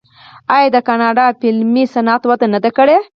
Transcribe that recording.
آیا د کاناډا فلمي صنعت وده نه ده کړې؟